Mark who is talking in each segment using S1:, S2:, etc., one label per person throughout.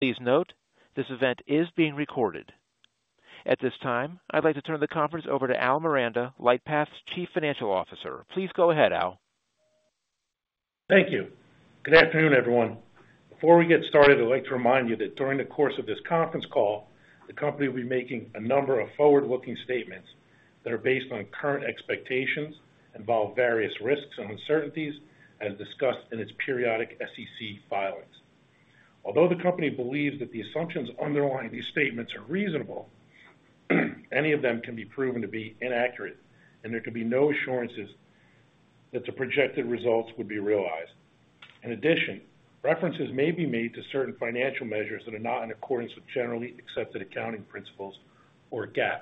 S1: Please note, this event is being recorded. At this time, I'd like to turn the conference over to Al Miranda, LightPath's Chief Financial Officer. Please go ahead, Al.
S2: Thank you. Good afternoon, everyone. Before we get started, I'd like to remind you that during the course of this conference call, the company will be making a number of forward-looking statements that are based on current expectations, involve various risks and uncertainties as discussed in its periodic SEC filings. Although the company believes that the assumptions underlying these statements are reasonable, any of them can be proven to be inaccurate and there can be no assurances that the projected results would be realized. In addition, references may be made to certain financial measures that are not in accordance with generally accepted accounting principles or GAAP.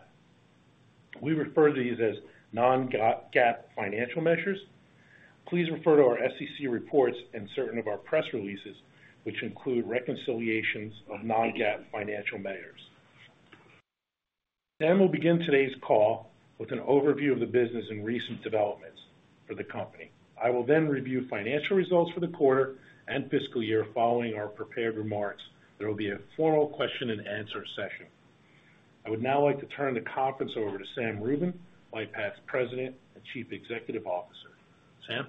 S2: We refer to these as non-GAAP financial measures. Please refer to our SEC reports and certain of our press releases, which include reconciliations of non-GAAP financial measures. Sam will begin today's call with an overview of the business and recent developments for the company. I will then review financial results for the quarter and fiscal year. Following our prepared remarks, there will be a formal question-and-answer session. I would now like to turn the conference over to Sam Rubin, LightPath's President and Chief Executive Officer. Sam?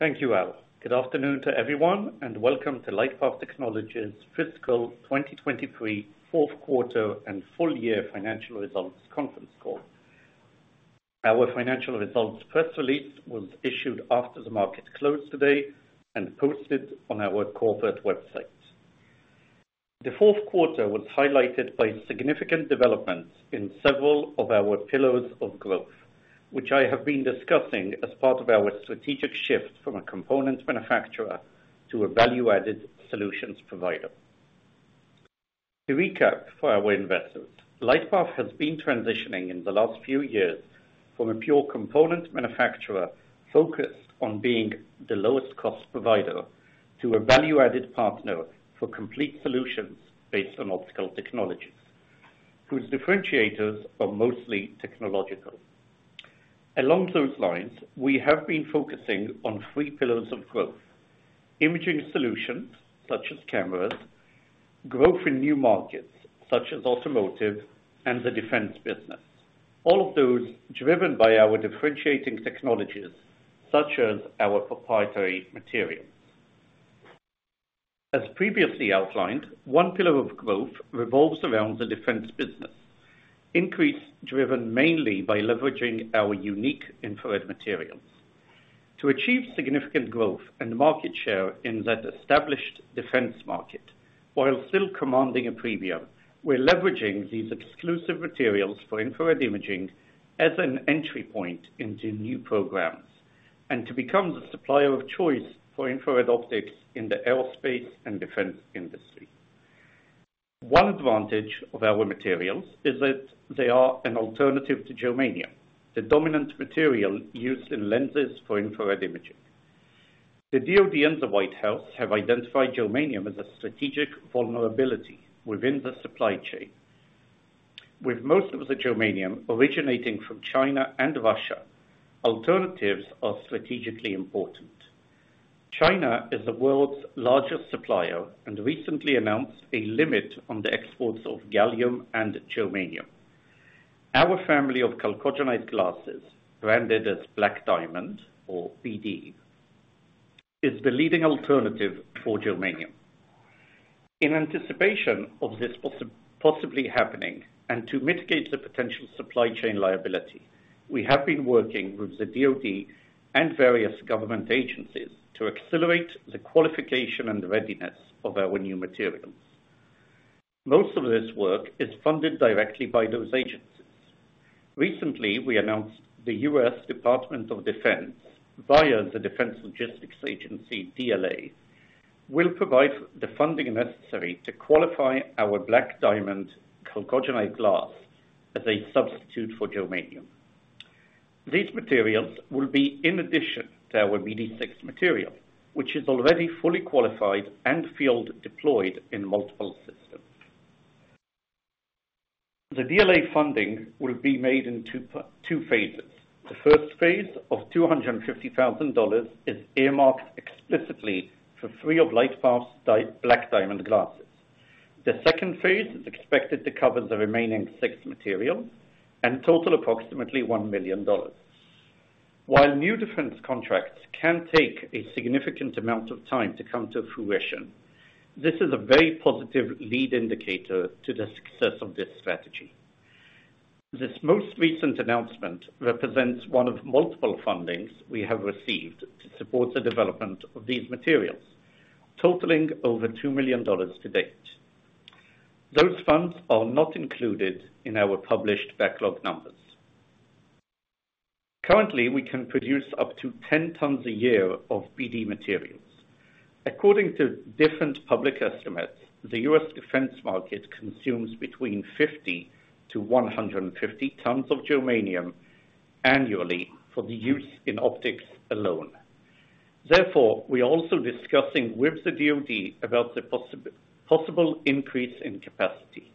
S3: Thank you, Al. Good afternoon to everyone, and welcome to LightPath Technologies' Fiscal 2023 Fourth Quarter and Full Year Financial Results Conference Call. Our financial results press release was issued after the market closed today and posted on our corporate website. The fourth quarter was highlighted by significant developments in several of our pillars of growth, which I have been discussing as part of our strategic shift from a components manufacturer to a value-added solutions provider. To recap for our investors, LightPath has been transitioning in the last few years from a pure component manufacturer focused on being the lowest cost provider, to a value-added partner for complete solutions based on optical technologies, whose differentiators are mostly technological. Along those lines, we have been focusing on three pillars of growth: imaging solutions such as cameras, growth in new markets such as automotive and the defense business. All of those driven by our differentiating technologies, such as our proprietary material. As previously outlined, one pillar of growth revolves around the defense business, increase driven mainly by leveraging our unique infrared materials. To achieve significant growth and market share in that established defense market, while still commanding a premium, we're leveraging these exclusive materials for infrared imaging as an entry point into new programs, and to become the supplier of choice for infrared optics in the aerospace and defense industry. One advantage of our materials is that they are an alternative to germanium, the dominant material used in lenses for infrared imaging. The DoD and the White House have identified germanium as a strategic vulnerability within the supply chain. With most of the germanium originating from China and Russia, alternatives are strategically important. China is the world's largest supplier and recently announced a limit on the exports of gallium and germanium. Our family of chalcogenide glasses, branded as Black Diamond or BD, is the leading alternative for germanium. In anticipation of this possibly happening, and to mitigate the potential supply chain liability, we have been working with the DoD and various government agencies to accelerate the qualification and readiness of our new materials. Most of this work is funded directly by those agencies. Recently, we announced the U.S. Department of Defense, via the Defense Logistics Agency (DLA), will provide the funding necessary to qualify our Black Diamond chalcogenide glass as a substitute for germanium. These materials will be in addition to our BD6 material, which is already fully qualified and field-deployed in multiple systems. The DLA funding will be made in two phases. The first phase of $250,000 is earmarked explicitly for three of LightPath's Black Diamond glasses. The second phase is expected to cover the remaining six materials and total approximately $1 million. While new defense contracts can take a significant amount of time to come to fruition, this is a very positive lead indicator to the success of this strategy. This most recent announcement represents one of multiple fundings we have received to support the development of these materials, totaling over $2 million to date. Those funds are not included in our published backlog numbers. Currently, we can produce up to 10 tons a year of BD materials. According to different public estimates, the U.S. Defense Market consumes between 50-150 tons of germanium annually for the use in optics alone. Therefore, we are also discussing with the DoD about the possible increase in capacity.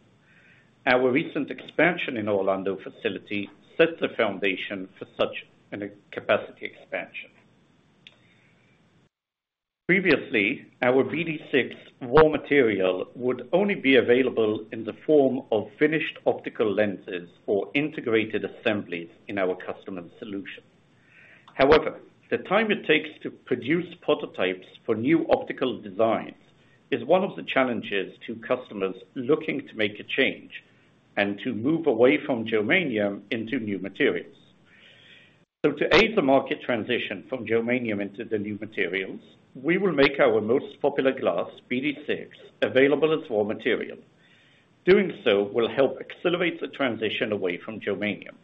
S3: Our recent expansion in Orlando facility sets the foundation for such a capacity expansion. Previously, our BD6 raw material would only be available in the form of finished optical lenses or integrated assemblies in our customer solution. However, the time it takes to produce prototypes for new optical designs is one of the challenges to customers looking to make a change, and to move away from germanium into new materials. So to aid the market transition from germanium into the new materials, we will make our most popular glass, BD6, available as raw material. Doing so will help accelerate the transition away from germanium.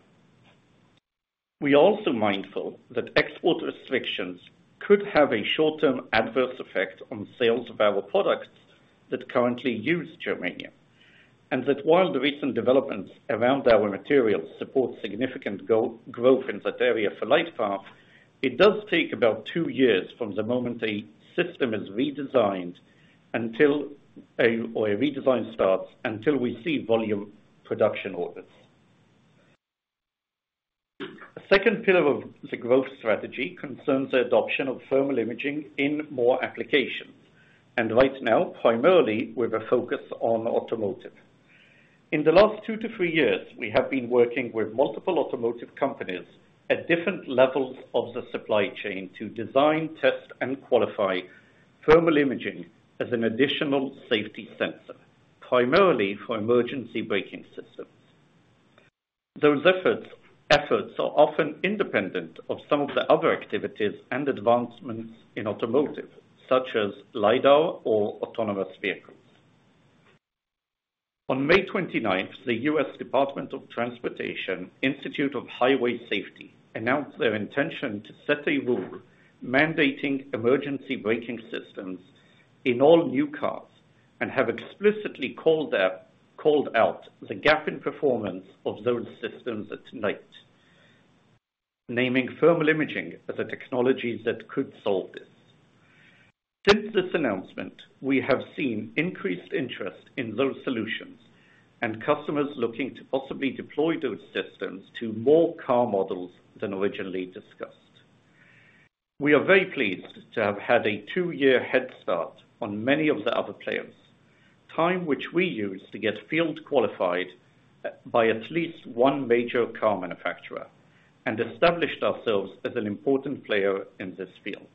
S3: We are also mindful that export restrictions could have a short-term adverse effect on sales of our products that currently use germanium, and that while the recent developments around our materials support significant growth in that area for LightPath, it does take about two years from the moment a system is redesigned until a redesign starts, until we see volume production orders. A second pillar of the growth strategy concerns the adoption of thermal imaging in more applications, and right now, primarily with a focus on automotive. In the last two to three years, we have been working with multiple automotive companies at different levels of the supply chain to design, test, and qualify thermal imaging as an additional safety sensor, primarily for emergency braking systems. Those efforts, efforts are often independent of some of the other activities and advancements in automotive, such as LIDAR or autonomous vehicles. On May 29th, the U.S. Department of Transportation, National Highway Safety Administration, announced their intention to set a rule mandating emergency braking systems in all new cars, and have explicitly called out the gap in performance of those systems at night, naming thermal imaging as a technology that could solve this. Since this announcement, we have seen increased interest in those solutions, and customers looking to possibly deploy those systems to more car models than originally discussed. We are very pleased to have had a two-year head start on many of the other players. Time which we use to get field qualified by at least one major car manufacturer, and established ourselves as an important player in this field.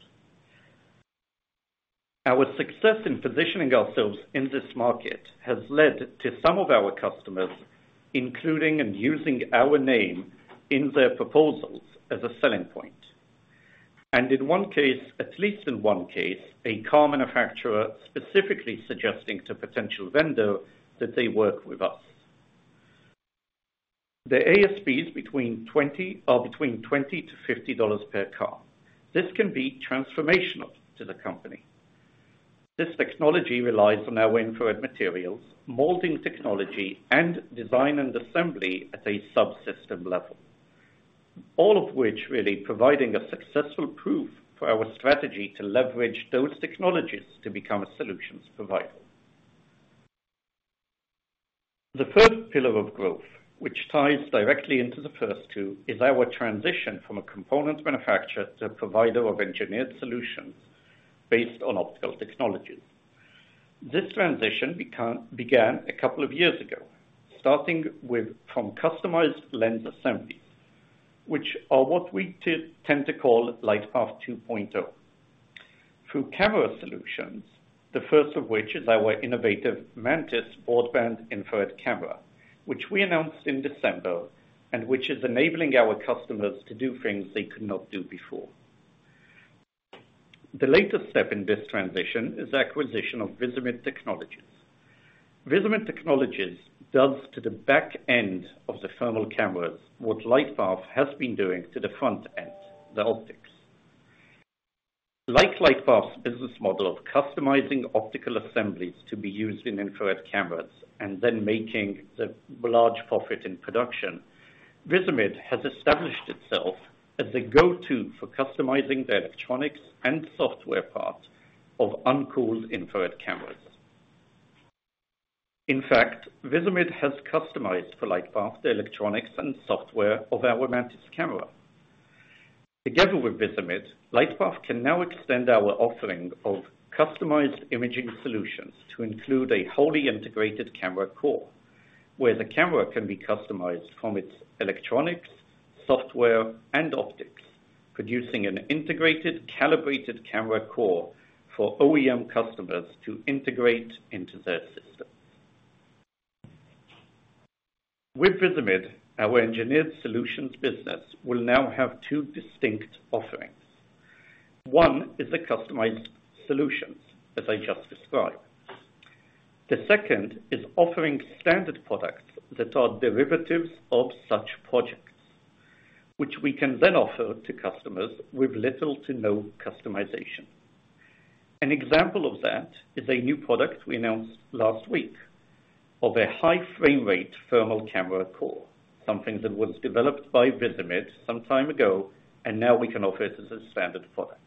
S3: Our success in positioning ourselves in this market has led to some of our customers, including and using our name in their proposals as a selling point. In one case, at least in one case, a car manufacturer specifically suggesting to potential vendor that they work with us. The ASPs between 20, are between $20-$50 per car. This can be transformational to the company. This technology relies on our infrared materials, molding technology, and design and assembly at a subsystem level, all of which really providing a successful proof for our strategy to leverage those technologies to become a solutions provider. The third pillar of growth, which ties directly into the first two, is our transition from a components manufacturer to a provider of engineered solutions based on optical technologies. This transition began a couple of years ago, starting with, from customized lens assemblies, which are what we tend to call LightPath 2.0. Through camera solutions, the first of which is our innovative Mantis broadband infrared camera, which we announced in December, and which is enabling our customers to do things they could not do before. The latest step in this transition is the acquisition of Visimid Technologies. Visimid Technologies does to the back end of the thermal cameras, what LightPath has been doing to the front end, the optics. Like LightPath's business model of customizing optical assemblies to be used in infrared cameras, and then making the large profit in production, Visimid has established itself as the go-to for customizing the electronics and software part of uncooled infrared cameras. In fact, Visimid has customized for LightPath, the electronics and software of our Mantis camera. Together with Visimid, LightPath can now extend our offering of customized imaging solutions to include a wholly integrated camera core, where the camera can be customized from its electronics, software, and optics, producing an integrated, calibrated camera core for OEM customers to integrate into their system. With Visimid, our engineered solutions business will now have two distinct offerings. One is the customized solutions, as I just described. The second is offering standard products that are derivatives of such projects, which we can then offer to customers with little to no customization. An example of that is a new product we announced last week, of a high frame rate thermal camera core, something that was developed by Visimid some time ago, and now we can offer it as a standard product.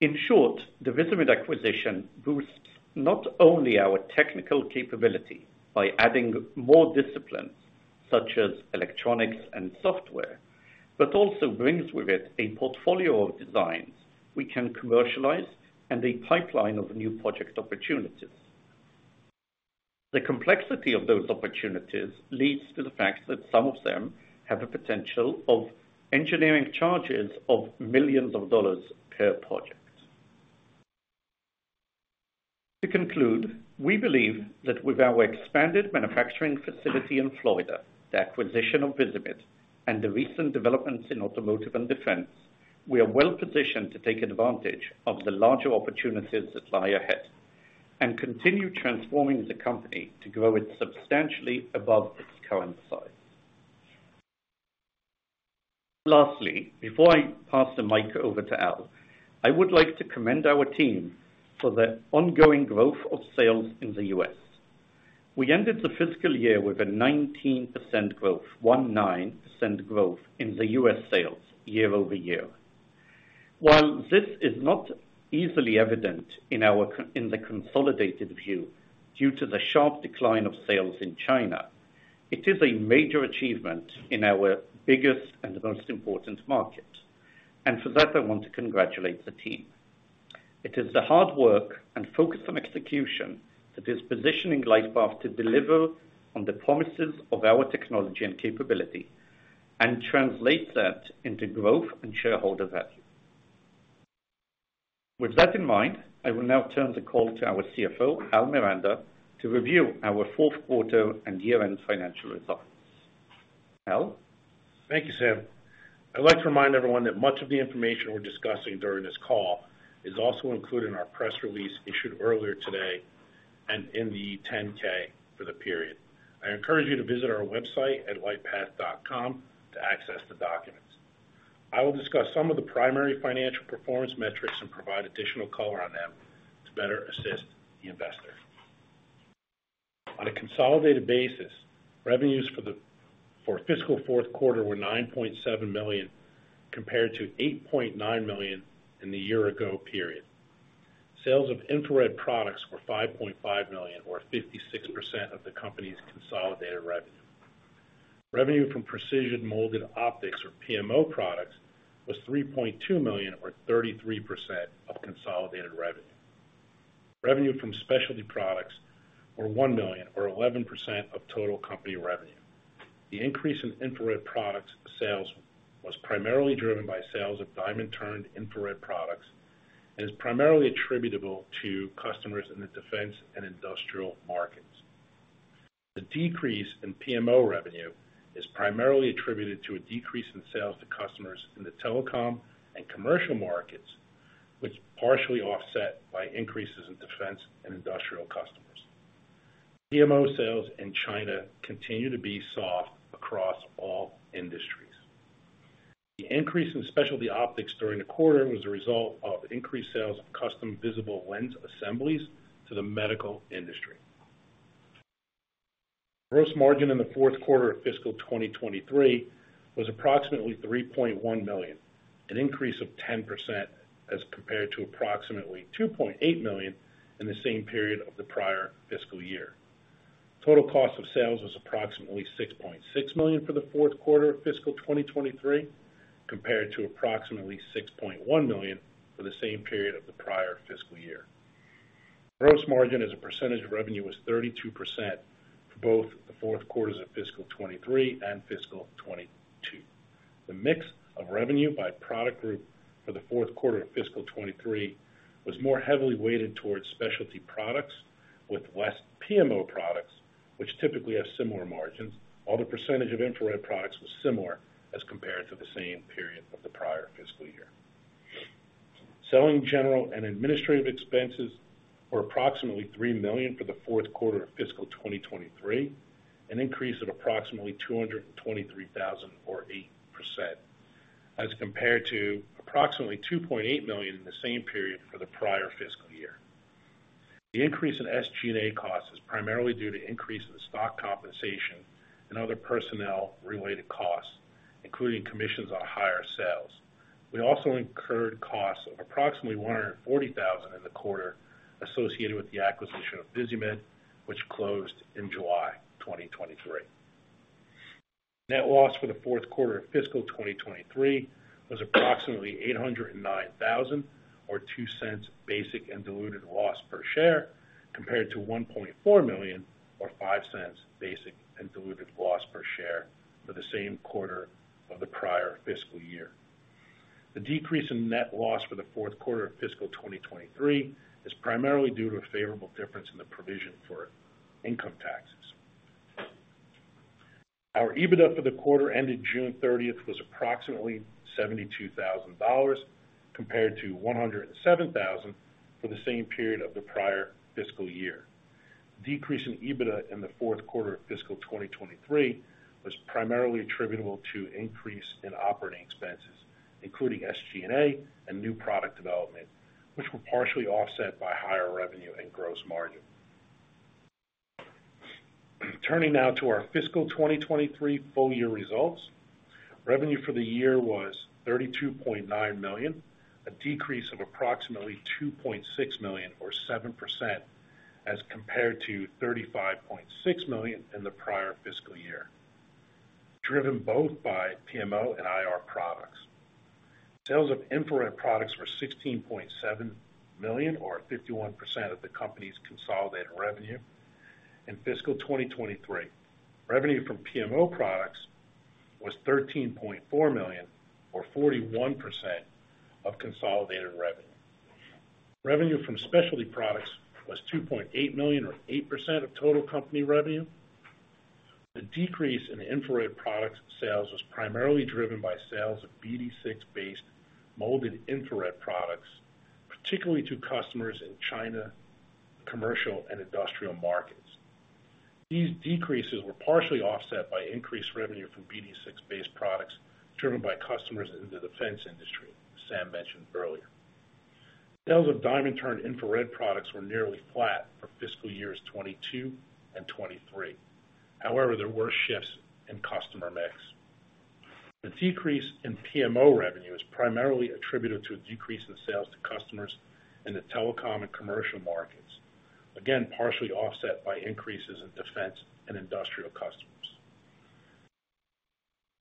S3: In short, the Visimid acquisition boosts not only our technical capability by adding more disciplines such as electronics and software, but also brings with it a portfolio of designs we can commercialize and a pipeline of new project opportunities. The complexity of those opportunities leads to the fact that some of them have a potential of engineering charges of millions of dollars per project. To conclude, we believe that with our expanded manufacturing facility in Florida, the acquisition of Visimid, and the recent developments in automotive and defense, we are well-positioned to take advantage of the larger opportunities that lie ahead, and continue transforming the company to grow it substantially above its current size. Lastly, before I pass the mic over to Al, I would like to commend our team for the ongoing growth of sales in the U.S. We ended the fiscal year with a 19% growth, 19% growth in the U.S. sales year-over-year. While this is not easily evident in the consolidated view, due to the sharp decline of sales in China, it is a major achievement in our biggest and most important market, and for that, I want to congratulate the team. It is the hard work and focus on execution that is positioning LightPath to deliver on the promises of our technology and capability, and translate that into growth and shareholder value. With that in mind, I will now turn the call to our CFO, Al Miranda, to review our fourth quarter and year-end financial results. Al?
S2: Thank you, Sam. I'd like to remind everyone that much of the information we're discussing during this call is also included in our press release issued earlier today and in the 10-K for the period. I encourage you to visit our website at lightpath.com to access the documents. I will discuss some of the primary financial performance metrics and provide additional color on them to better assist the investors. On a consolidated basis, revenues for fiscal fourth quarter were $9.7 million, compared to $8.9 million in the year ago period. Sales of infrared products were $5.5 million, or 56% of the company's consolidated revenue. Revenue from precision molded optics, or PMO products, was $3.2 million, or 33% of consolidated revenue. Revenue from specialty products were $1 million, or 11% of total company revenue. The increase in infrared products sales was primarily driven by sales of diamond turned infrared products, and is primarily attributable to customers in the defense and industrial markets. The decrease in PMO revenue is primarily attributed to a decrease in sales to customers in the telecom and commercial markets, which partially offset by increases in defense and industrial customers. PMO sales in China continue to be soft across all industries. The increase in specialty optics during the quarter was a result of increased sales of custom visible lens assemblies to the medical industry. Gross margin in the fourth quarter of fiscal 2023 was approximately $3.1 million, an increase of 10% as compared to approximately $2.8 million in the same period of the prior fiscal year. Total cost of sales was approximately $6.6 million for the fourth quarter of fiscal 2023, compared to approximately $6.1 million for the same period of the prior fiscal year. Gross margin as a percentage of revenue was 32% for both the fourth quarters of fiscal 2023 and fiscal 2022. The mix of revenue by product group for the fourth quarter of fiscal 2023 was more heavily weighted towards specialty products with less PMO products, which typically have similar margins, while the percentage of infrared products was similar as compared to the same period of the prior fiscal year. Selling general and administrative expenses were approximately $3 million for the fourth quarter of fiscal 2023, an increase of approximately $223,000 or 8%, as compared to approximately $2.8 million in the same period for the prior fiscal year. The increase in SG&A costs is primarily due to increase in stock compensation and other personnel-related costs, including commissions on higher sales. We also incurred costs of approximately $140,000 in the quarter associated with the acquisition of Visimid, which closed in July 2023. Net loss for the fourth quarter of fiscal 2023 was approximately $809,000, or $0.02 basic and diluted loss per share, compared to $1.4 million or $0.05 basic and diluted loss per share for the same quarter of the prior fiscal year. The decrease in net loss for the fourth quarter of fiscal 2023 is primarily due to a favorable difference in the provision for income taxes. Our EBITDA for the quarter ended June 30 was approximately $72,000, compared to $107,000 for the same period of the prior fiscal year. Decrease in EBITDA in the fourth quarter of fiscal 2023 was primarily attributable to increase in operating expenses, including SG&A and new product development, which were partially offset by higher revenue and gross margin. Turning now to our fiscal 2023 full year results. Revenue for the year was $32.9 million, a decrease of approximately $2.6 million, or 7%, as compared to $35.6 million in the prior fiscal year, driven both by PMO and IR products. Sales of infrared products were $16.7 million, or 51% of the company's consolidated revenue in fiscal 2023. Revenue from PMO products was $13.4 million, or 41% of consolidated revenue. Revenue from specialty products was $2.8 million, or 8% of total company revenue. The decrease in infrared product sales was primarily driven by sales of BD6-based molded infrared products, particularly to customers in China, commercial, and industrial markets. These decreases were partially offset by increased revenue from BD6-based products driven by customers in the defense industry, Sam mentioned earlier. Sales of diamond turned infrared products were nearly flat for fiscal years 2022 and 2023. However, there were shifts in customer mix. The decrease in PMO revenue is primarily attributed to a decrease in sales to customers in the telecom and commercial markets. Again, partially offset by increases in defense and industrial customers.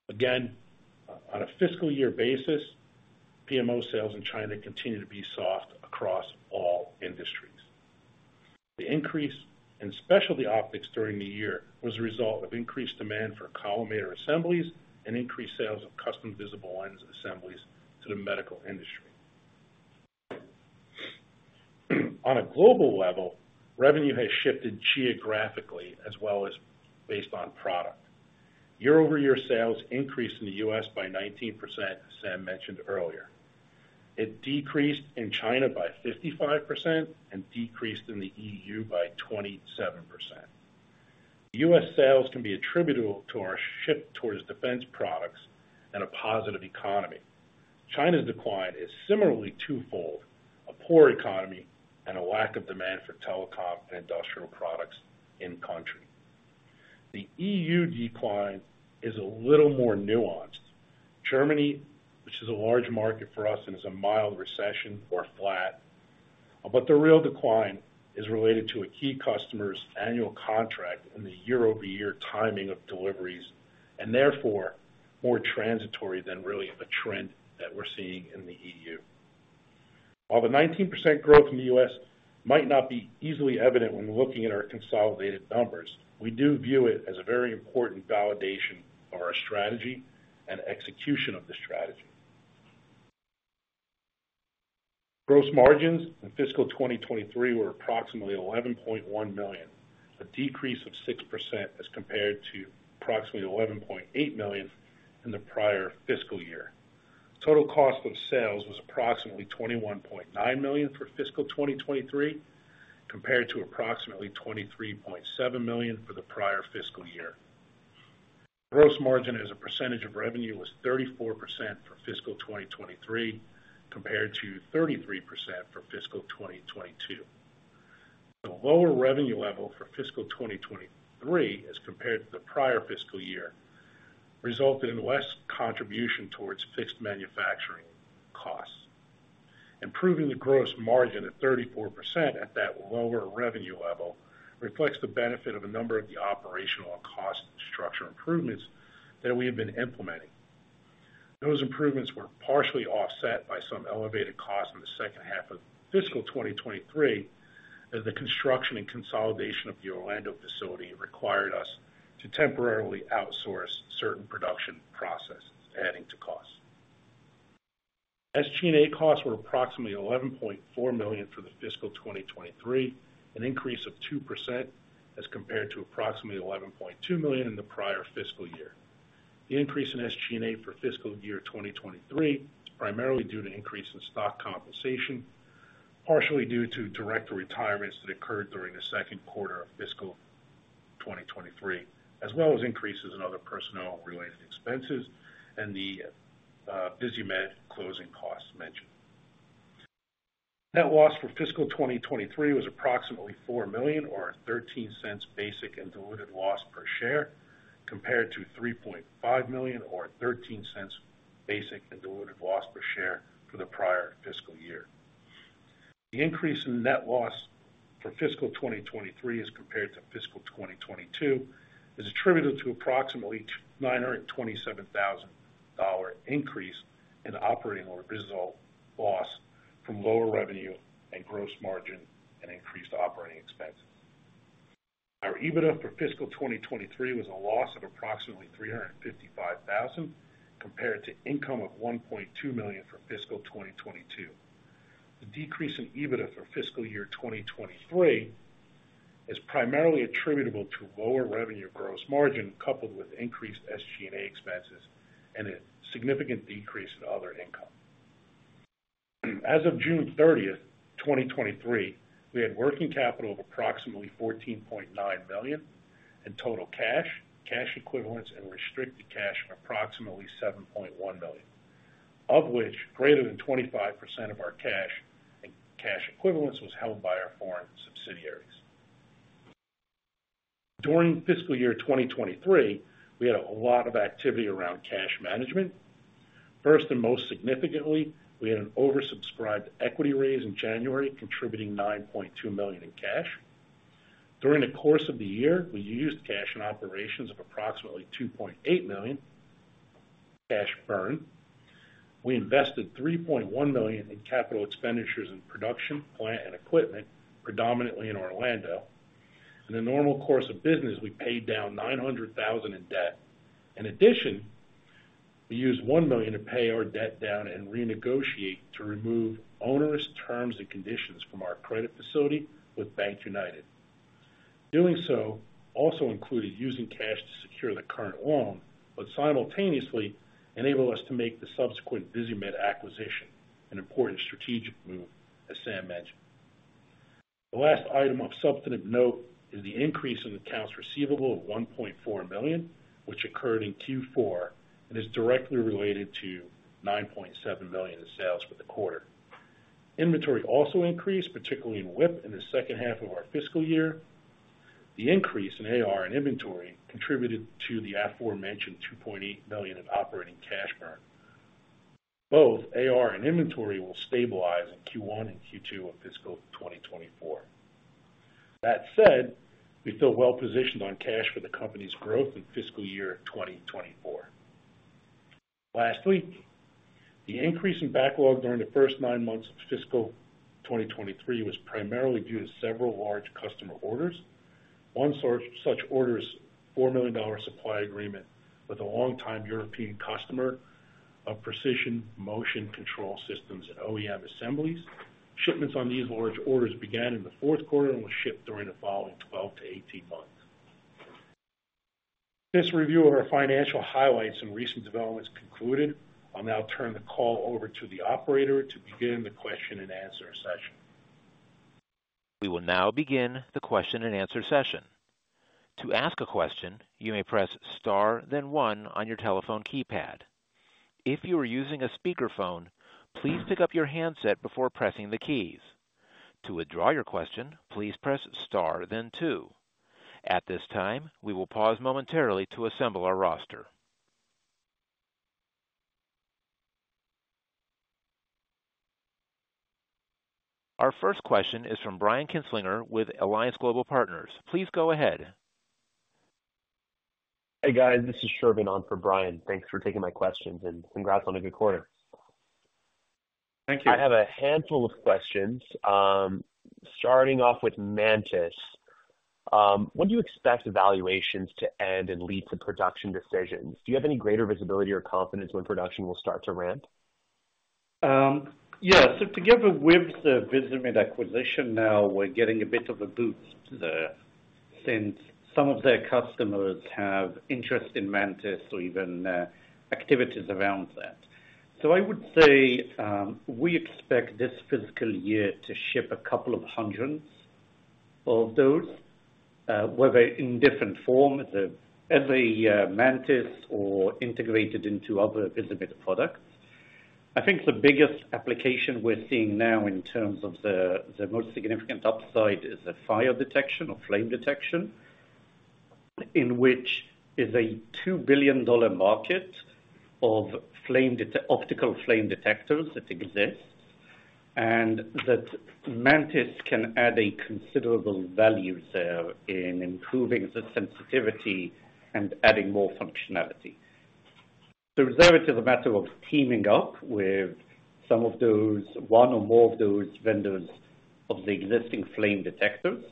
S2: Again, on a fiscal year basis, PMO sales in China continue to be soft across all industries. The increase in specialty optics during the year was a result of increased demand for collimator assemblies and increased sales of custom visible lens assemblies to the medical industry. On a global level, revenue has shifted geographically as well as based on product. Year-over-year sales increased in the US by 19%, as Sam mentioned earlier. It decreased in China by 55% and decreased in the EU by 27%. US sales can be attributable to our shift towards defense products and a positive economy. China's decline is similarly twofold, a poor economy and a lack of demand for telecom and industrial products in country. The EU decline is a little more nuanced. Germany, which is a large market for us, is in a mild recession or flat. But the real decline is related to a key customer's annual contract in the year-over-year timing of deliveries, and therefore, more transitory than really a trend that we're seeing in the EU. While the 19% growth in the U.S. might not be easily evident when looking at our consolidated numbers, we do view it as a very important validation of our strategy and execution of the strategy. Gross margins in fiscal 2023 were approximately $11.1 million, a decrease of 6% as compared to approximately $11.8 million in the prior fiscal year. Total cost of sales was approximately $21.9 million for fiscal 2023, compared to approximately $23.7 million for the prior fiscal year. Gross margin as a percentage of revenue was 34% for fiscal 2023, compared to 33% for fiscal 2022. The lower revenue level for fiscal 2023, as compared to the prior fiscal year, resulted in less contribution towards fixed manufacturing costs. Improving the gross margin at 34% at that lower revenue level, reflects the benefit of a number of the operational and cost structure improvements that we have been implementing. Those improvements were partially offset by some elevated costs in the second half of fiscal 2023, as the construction and consolidation of the Orlando facility required us to temporarily outsource certain production processes, adding to costs. SG&A costs were approximately $11.4 million for fiscal 2023, an increase of 2% as compared to approximately $11.2 million in the prior fiscal year. The increase in SG&A for fiscal year 2023, is primarily due to an increase in stock compensation, partially due to director retirements that occurred during the second quarter of fiscal 2023, as well as increases in other personnel-related expenses and the Visimid closing costs mentioned. Net loss for fiscal 2023 was approximately $4 million, or $0.13 basic and diluted loss per share, compared to $3.5 million, or $0.13 basic and diluted loss per share for the prior fiscal year. The increase in net loss for fiscal 2023, as compared to fiscal 2022, is attributed to approximately $927,000 increase in operating loss from lower revenue and gross margin and increased operating expenses. Our EBITDA for fiscal 2023 was a loss of approximately $355,000, compared to income of $1.2 million for fiscal 2022. The decrease in EBITDA for fiscal year 2023 is primarily attributable to lower revenue gross margin, coupled with increased SG&A expenses and a significant decrease in other income. As of June 30th, 2023, we had working capital of approximately $14.9 million, and total cash, cash equivalents, and restricted cash of approximately $7.1 million, of which greater than 25% of our cash equivalents was held by our foreign subsidiaries. During fiscal year 2023, we had a lot of activity around cash management. First, and most significantly, we had an oversubscribed equity raise in January, contributing $9.2 million in cash. During the course of the year, we used cash in operations of approximately $2.8 million cash burn. We invested $3.1 million in capital expenditures in production, plant and equipment, predominantly in Orlando. In the normal course of business, we paid down $900,000 in debt. In addition, we used $1 million to pay our debt down and renegotiate to remove onerous terms and conditions from our credit facility with BankUnited. Doing so also included using cash to secure the current loan, but simultaneously enabled us to make the subsequent Visimid acquisition, an important strategic move, as Sam mentioned. The last item of substantive note is the increase in accounts receivable of $1.4 million, which occurred in Q4 and is directly related to $9.7 million in sales for the quarter. Inventory also increased, particularly in WIP, in the second half of our fiscal year. The increase in AR and inventory contributed to the aforementioned $2.8 million in operating cash burn. Both AR and inventory will stabilize in Q1 and Q2 of fiscal 2024. That said, we feel well positioned on cash for the company's growth in fiscal year 2024. Lastly, the increase in backlog during the first nine months of fiscal 2023 was primarily due to several large customer orders. One such order is $4 million supply agreement with a longtime European customer of precision motion control systems and OEM assemblies. Shipments on these large orders began in the fourth quarter and will ship during the following 12-18 months. This review of our financial highlights and recent developments concluded. I'll now turn the call over to the operator to begin the question and answer session.
S1: We will now begin the question and answer session. To ask a question, you may press star then one on your telephone keypad. If you are using a speakerphone, please pick up your handset before pressing the keys. To withdraw your question, please press star then two. At this time, we will pause momentarily to assemble our roster. Our first question is from Brian Kinstlinger with Alliance Global Partners. Please go ahead.
S4: Hey, guys, this is Sherman on for Brian. Thanks for taking my questions, and congrats on a good quarter.
S2: Thank you.
S4: I have a handful of questions. Starting off with Mantis. When do you expect evaluations to end and lead to production decisions? Do you have any greater visibility or confidence when production will start to ramp?
S2: Yeah, so together with the Visimid acquisition, now we're getting a bit of a boost there, since some of their customers have an interest in Mantis or even activities around that. So I would say, we expect this fiscal year to ship a couple of hundred of those, whether in a different form, as a Mantis or integrated into other Visimid products. I think the biggest application we're seeing now in terms of the most significant upside is the fire detection or flame detection, which is a $2 billion market of optical flame detectors that exist, and that Mantis can add considerable value there in improving the sensitivity and adding more functionality. The reserve is a matter of teaming up with some of those, one or more of those vendors of the existing flame detectors,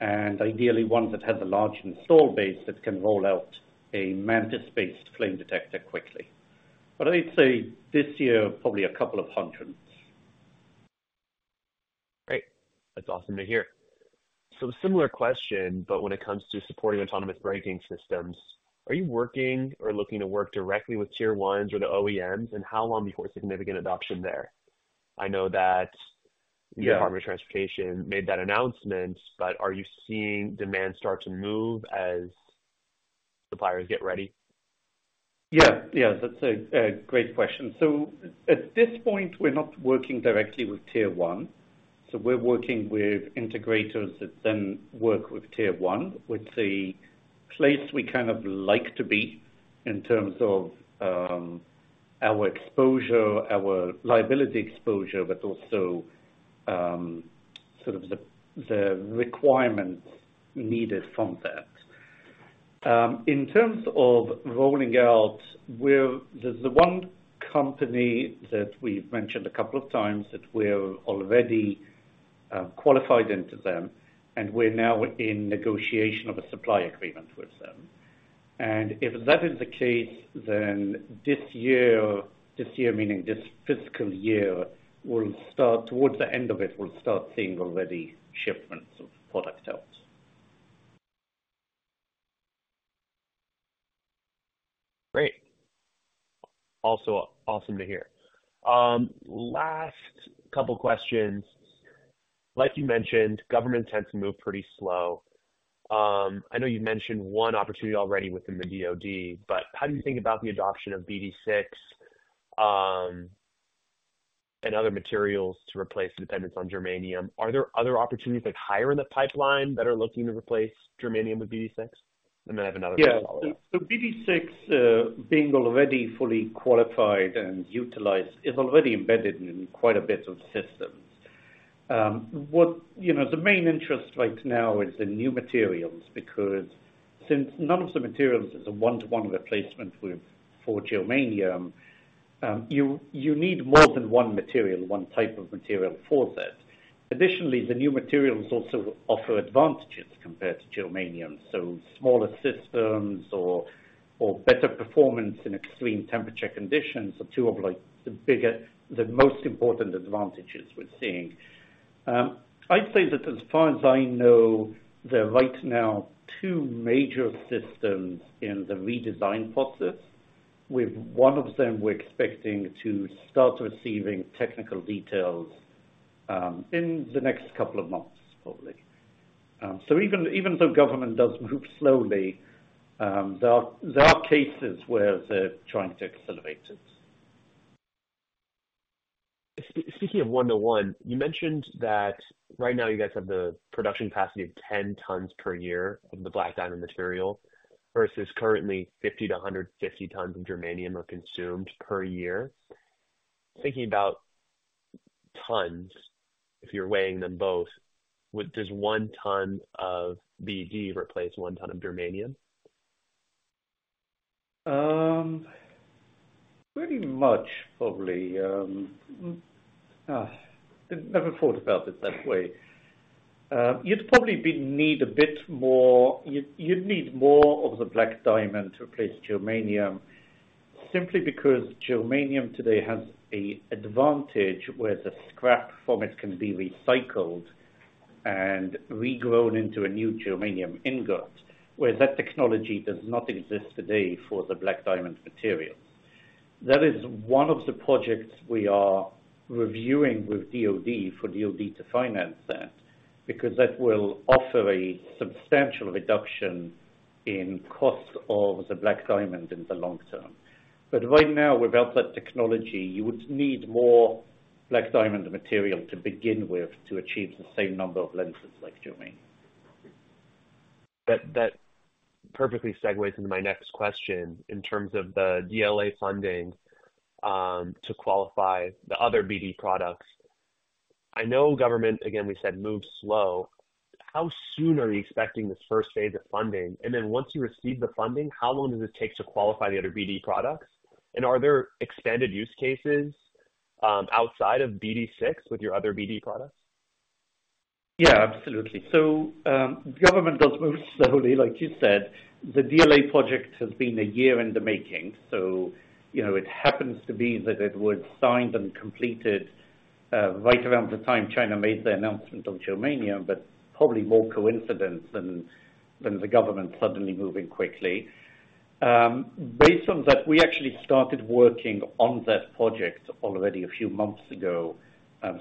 S2: and ideally one that has a large install base that can roll out a Mantis-based flame detector quickly. But I'd say this year, probably a couple of hundred.
S4: Great! That's awesome to hear. So similar question, but when it comes to supporting autonomous braking systems, are you working or looking to work directly with Tier 1s or the OEMs? And how long before significant adoption there? I know that the Department of Transportation made that announcement, but are you seeing demand start to move as suppliers get ready?
S2: That's a great question. At this point, we're not working directly with Tier 1, so we're working with integrators that then work with Tier 1, which is the place we kind of like to be in terms of our exposure, our liability exposure, but also sort of the requirements needed from that. In terms of rolling out, we're the one company that we've mentioned a couple of times, that we're already qualified with them, and we're now in negotiation of a supply agreement with them. And if that is the case, then this year, meaning this fiscal year, we'll start towards the end of it, we'll start seeing shipments of product out.
S4: Great. Also awesome to hear. Last couple questions, you mentioned, government tends to move pretty slow. I know you've mentioned one opportunity already within the DoD, but how do you think about the adoption of BD6, and other materials to replace dependence on germanium? Are there other opportunities higher in the pipeline that are looking to replace germanium with BD6? And then I have another one follow up.
S3: BD6, being already fully qualified and utilized, is already embedded in quite a bit of systems. The main interest right now is the new materials, because since none of the materials is a one-to-one replacement for germanium, you need more than one material, one type of material for that. Additionally, the new materials also offer advantages compared to germanium. Smaller systems or better performance in extreme temperature conditions are two of the bigger, the most important advantages we're seeing. I'd say that as far as I know, there are right now, two major systems in the redesign process, with one of them, we're expecting to start receiving technical details, in the next couple of months, probably. Even though government does move slowly, there are cases where they're trying to accelerate it.
S4: Speaking of one-to-one, you mentioned that right now you guys have the production capacity of 10 tons per year of the Black Diamond material, versus currently 50-150 tons of Germanium are consumed per year. Thinking about tons, if you're weighing them both, would just 1 ton of BD replace 1 ton of Germanium?
S3: Pretty much, probably. I've never thought about it that way. You'd need more of the Black Diamond to replace germanium, simply because germanium today has an advantage, where the scrap from it can be recycled and regrown into a new germanium ingot, whereas that technology does not exist today for the Black Diamond material. That is one of the projects we are reviewing with DoD, for DoD to finance that, because that will offer a substantial reduction in the costs of the Black Diamond in the long term. But right now, without that technology, you would need more Black Diamond material to begin with to achieve the same number of lenses like germanium.
S4: That perfectly segues into my next question in terms of the DLA funding to qualify the other BD products. I know government we said, moves slow. How soon are you expecting this first phase of funding? And then once you receive the funding, how long does it take to qualify the other BD products? And are there expanded use cases outside of BD six with your other BD products?
S3: Absolutely. Government does move slowly, as you said. The DLA project has been a year in the making, so you know, it happens to be that it was signed and completed right around the time China made the announcement on germanium, but probably more coincidence than the government suddenly moving quickly. Based on that, we actually started working on that project already a few months ago,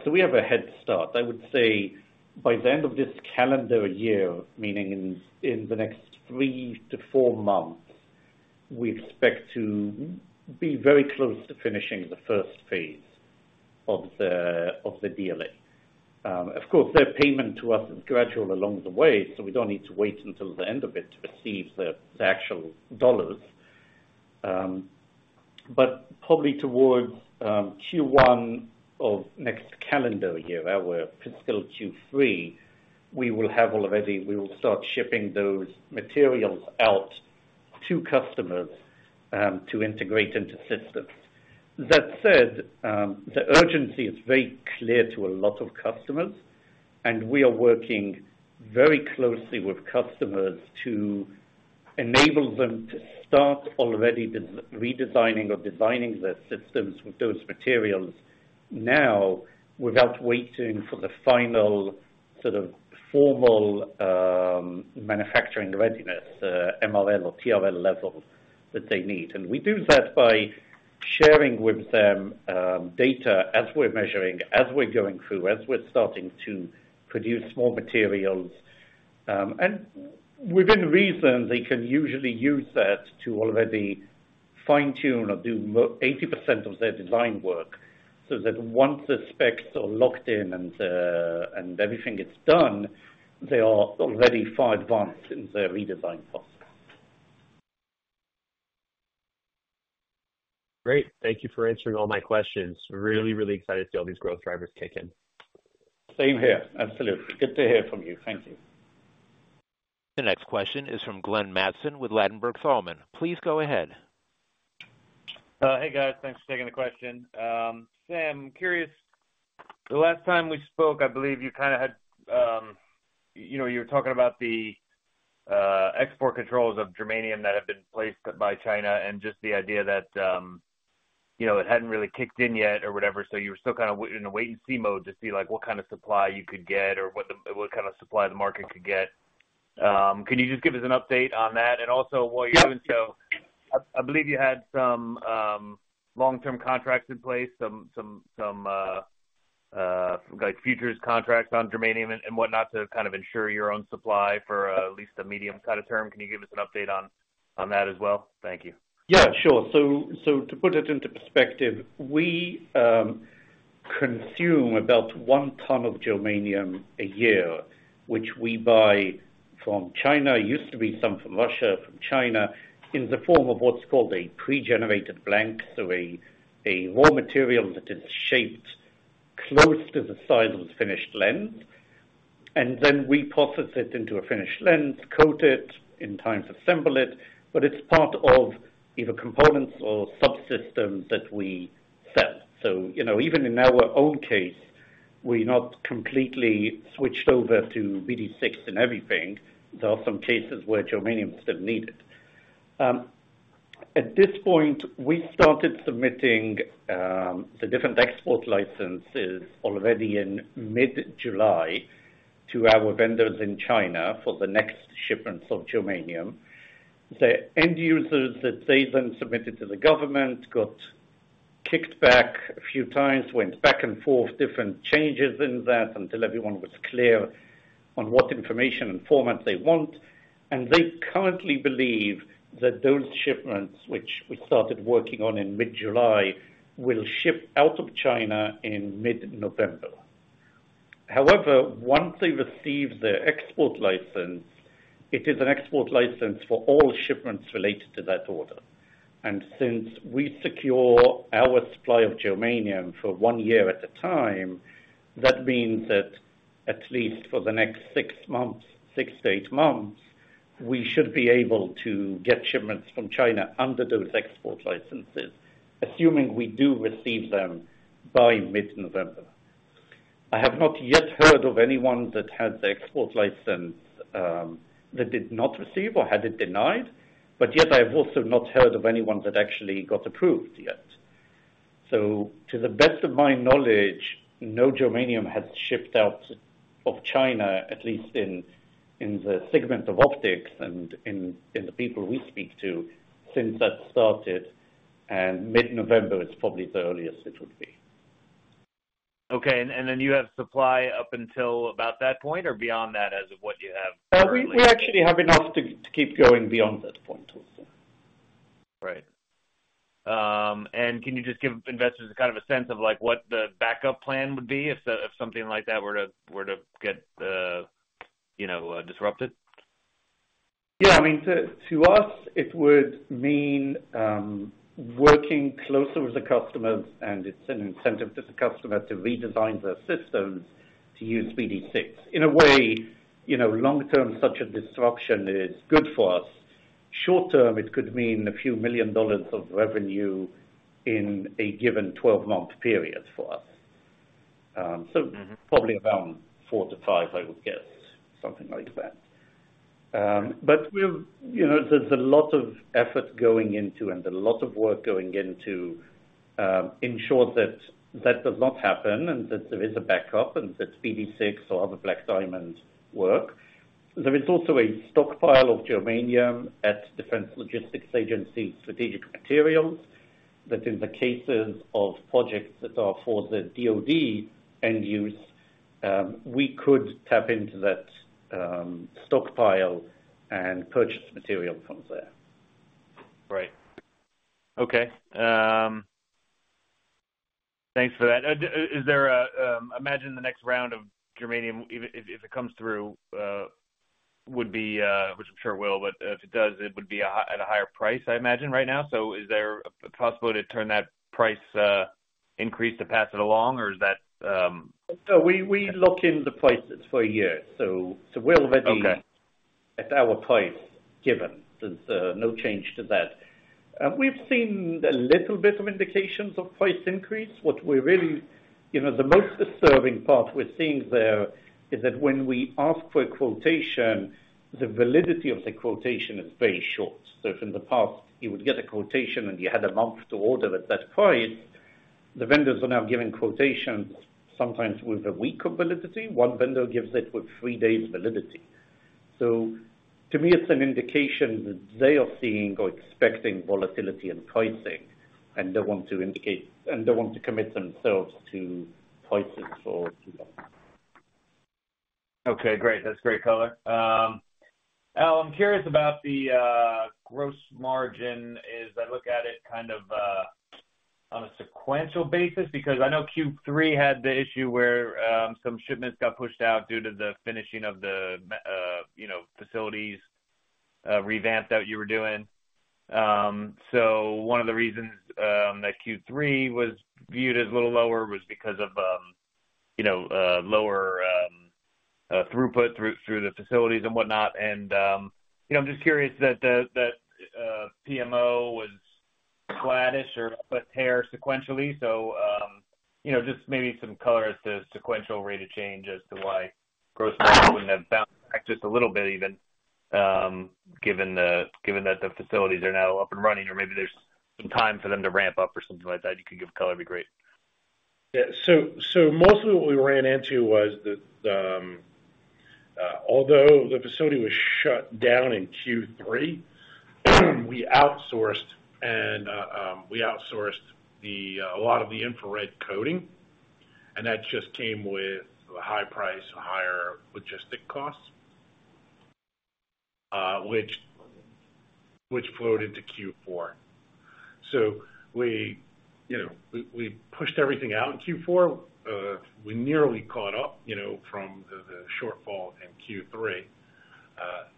S3: so we have a head start. I would say, by the end of this calendar year, meaning in the next 3-4 months, we expect to be very close to finishing the first phase of the DLA. Of course, their payment to us is gradual along the way, so we don't need to wait until the end of it to receive the actual dollars. Probably towards Q1 of next calendar year, our fiscal Q3, we will start shipping those materials out to customers to integrate into systems. That said, the urgency is very clear to a lot of customers, and we are working very closely with customers to enable them to start already redesigning or designing their systems with those materials now, without waiting for the final formal manufacturing readiness, MRL or TRL levels that they need. And we do that by sharing with them data as we're measuring, as we're going through, as we're starting to produce more materials. Within reason, they can usually use that to already fine-tune or do 80% of their design work, so that once the specs are locked in and everything gets done, they are already far advanced in their redesign process.
S4: Great. Thank you for answering all my questions. Really excited to see all these growth drivers kick in.
S3: Same here. Absolutely. Good to hear from you. Thank you.
S1: The next question is from Glenn Mattson with Ladenburg Thalmann. Please go ahead.
S5: Hey, guys. Thanks for taking the question. Sam, curious, the last time we spoke, I believe you kinda had, you know, you were talking about the export controls of germanium that have been placed by China, and just the idea that it hadn't really kicked in yet or whatever, so you were still kind of in a wait and see mode to see what supply you could get or what the, what kind of supply the market could get. Could you just give us an update on that? Also, while you're doing so, I believe you had some long-term contracts in place, some, like futures contracts on germanium and whatnot, to kind of ensure your own supply for at least a medium kind of term. Can you give us an update on that as well? Thank you.
S3: Sure. So to put it into perspective, we consume about one ton of germanium a year, which we buy from China. Used to be some from Russia, from China, in the form of what's called a pre-generated blank. So a raw material that is shaped close to the size of the finished lens, and then we process it into a finished lens, coat it, and assemble it in time, but it's part of either components or subsystems that we sell. Even in our own case, we're not completely switched over to BD6 and everything. There are some cases where germanium is still needed. At this point, we started submitting the different export licenses already in mid-July to our vendors in China for the next shipments of germanium. The end users that they then submitted to the government got kicked back a few times, went back and forth, different changes in that, until everyone was clear on what information and format they want. They currently believe that those shipments, which we started working on in mid-July, will ship out of China in mid-November. However, once they receive their export license, it is an export license for all shipments related to that order. Since we secure our supply of germanium for one year at a time, that means that at least for the next 6 months, 6-8 months, we should be able to get shipments from China under those export licenses, assuming we do receive them by mid-November. I have not yet heard of anyone that had the export license that did not receive or had it denied, but yet I have also not heard of anyone that actually got approved yet. So to the best of my knowledge, no germanium has shipped out of China, at least in the segment of optics and in the people we speak to since that started, and mid-November is probably the earliest it would be.
S5: Okay. And then you have supply up until about that point or beyond that, as of what you have?
S3: We actually have enough to keep going beyond that point also.
S5: Right. And can you just give investors kind of a sense of like, what the backup plan would be if something like that were to get disrupted?
S3: Yeah, I mean, to us, it would mean working closer with the customers, and it's an incentive to the customer to redesign their systems to use BD6. In a way, you know, long term, such a disruption is good for us. Short term, it could mean $ a few million of revenue in a given 12-month period for us. Probably around 4-5, I would guess. Something like that. But we've, you know, there's a lot of effort going into and a lot of work going into ensure that that does not happen, and that there is a backup, and that BD6 or other Black Diamonds work. There is also a stockpile of germanium at Defense Logistics Agency, Strategic Materials, that in the cases of projects that are for the DoD end use, we could tap into that stockpile and purchase material from there.
S5: Right. Okay. Thanks for that. I imagine the next round of germanium, even if it comes through, would be, which I'm sure will, but if it does, it would be at a higher price right now. So is there a possibility to turn that price increase into a pass-through, or is that,
S3: So we lock in the prices for a year. So we're already at our price, given. There's no change to that. We've seen a little bit of indications of price increase. What we're really, you know, the most disturbing part we're seeing there, is that when we ask for a quotation, the validity of the quotation is very short. So if in the past you would get a quotation and you had a month to order at that price, the vendors are now giving quotations sometimes with a week of validity. One vendor gives it with three days validity. So to me, it's an indication that they are seeing or expecting volatility in pricing and don't want to indicate and don't want to commit themselves to prices for too long.
S5: Okay, great. That's great color. Al, I'm curious about the gross margin as I look at it kind of on a sequential basis, because I know Q3 had the issue where some shipments got pushed out due to the finishing of the you know, facilities revamp that you were doing. So one of the reasons that Q3 was viewed as a little lower was because of you know, a lower throughput through the facilities and whatnot. You know, I'm just curious that the PMO was flattish or up, but higher sequentially. You know, just maybe some color as to sequential rate of change as to why gross margin wouldn't have bounced back just a little bit even, given the, given that the facilities are now up and running or maybe there's some time for them to ramp up or something like that. If you could give color, it'd be great.
S2: Yeah. So mostly what we ran into was that although the facility was shut down in Q3, we outsourced a lot of the infrared coating, and that just came with a high price, higher logistic costs, which floated to Q4. So we, you know, pushed everything out in Q4. We nearly caught up, you know, from the shortfall in Q3,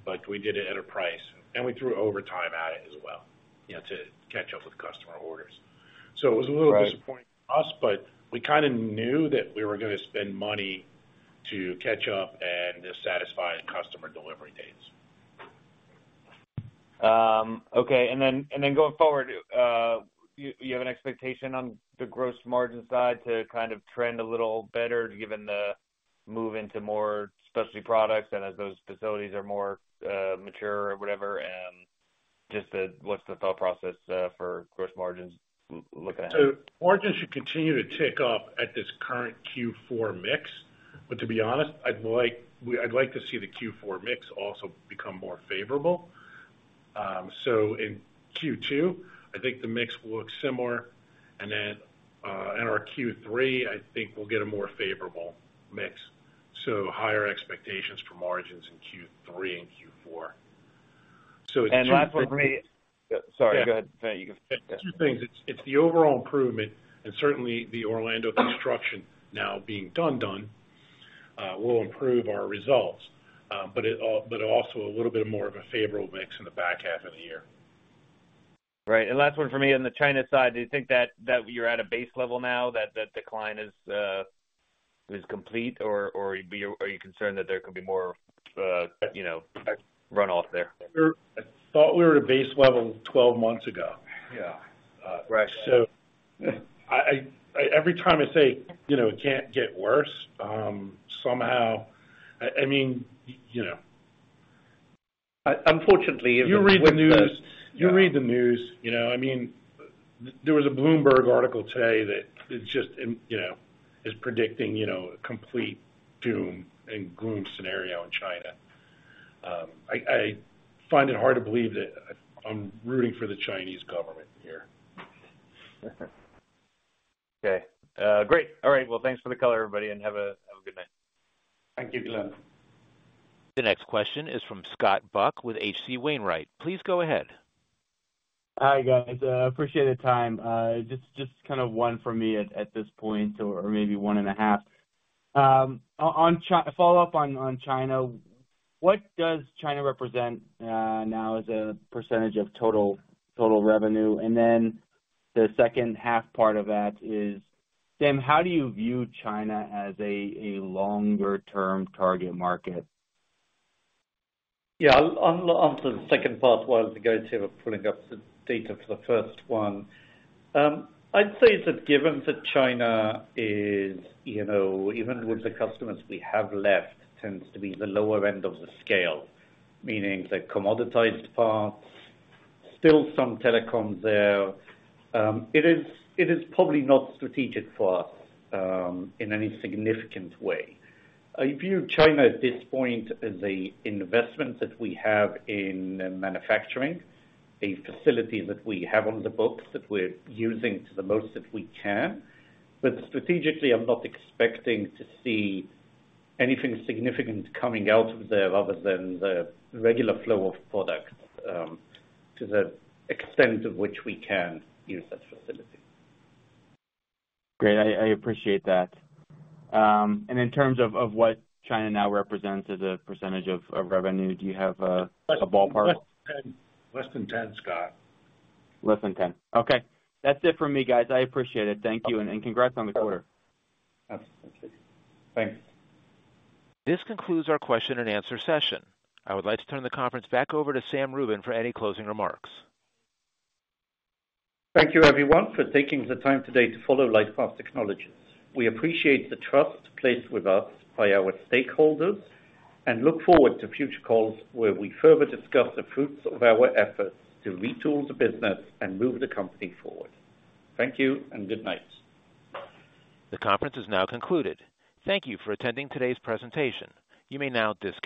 S2: but we did it at a price, and we threw overtime at it as well, you know, to catch up with customer orders. So it was a little disappointing to us, but we kind of knew that we were gonna spend money to catch up and to satisfy customer delivery dates.
S5: Okay. And then going forward, you have an expectation on the gross margin side to kind of trend a little better, given the move into more specialty products and as those facilities are more mature or whatever? And just the, what's the thought process for gross margins looking ahead?
S2: So margins should continue to tick up at this current Q4 mix. But to be honest, I'd like to see the Q4 mix also become more favorable. So in Q2, I think the mix will look similar, and then in our Q3, I think we'll get a more favorable mix. So higher expectations for margins in Q3 and Q4.
S5: Last one for me. Sorry, go ahead.
S2: Two things. It's the overall improvement and certainly the Orlando construction now being done will improve our results. But also a little bit more of a favorable mix in the back half of the year.
S5: Right. And last one for me, on the China side, do you think that you're at a base level now, that the decline is complete, or are you concerned that there could be more, you know, runoff there
S2: I thought we were at a base level twelve months ago. So every time I say, you know, it can't get worse, somehow, I mean, you read the news, you read the news, you know, I mean, there was a Bloomberg article today that it just, you know, is predicting, you know, complete doom and gloom scenario in China. I find it hard to believe that I'm rooting for the Chinese government here.
S5: Okay. Great! All right. Well, thanks for the color, everybody, and have a good night.
S3: Thank you. Goodbye.
S1: The next question is from Scott Buck with H.C. Wainwright. Please go ahead.
S6: Hi, guys. Appreciate the time. Just kind of one for me at this point, or maybe one and a half. On China, follow up on China, what does China represent now as a percentage of total revenue? And then the second half part of that is, Sam, how do you view China as a longer term target market?
S3: Yeah, on to the second part, while Timothy pulling up the data for the first one. I'd say that given that China is, you know, even with the customers we have left, tends to be the lower end of the scale, meaning the commoditized parts, still some telecoms there. It is, it is probably not strategic for us, in any significant way. I view China at this point as a investment that we have in manufacturing, a facility that we have on the books that we're using to the most, that we can. But strategically, I'm not expecting to see anything significant coming out of there other than the regular flow of products, to the extent of which we can use that facility.
S6: Great, I appreciate that. In terms of what China now represents as a percentage of revenue, do you have a ballpark?
S2: Less than 10. Less than 10, Scott.
S6: Less than ten. Okay. That's it for me, guys. I appreciate it. Thank you, and, and congrats on the quarter.
S3: Absolutely. Thanks.
S1: This concludes our question and answer session. I would like to turn the conference back over to Sam Rubin for any closing remarks.
S3: Thank you, everyone, for taking the time today to follow LightPath Technologies. We appreciate the trust placed with us by our stakeholders and look forward to future calls where we further discuss the fruits of our efforts to retool the business and move the company forward. Thank you and good night.
S1: The conference is now concluded. Thank you for attending today's presentation. You may now disconnect.